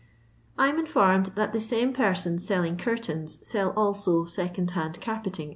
I am informed that the same persons selling curtains sell also second hand carpeting, &e.